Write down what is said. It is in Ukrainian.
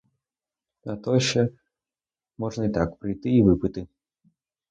А то ще можна й так: прийти і випити.